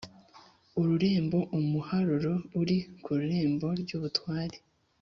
ururembo: umuharuro uri ku irembo ry’ibutware.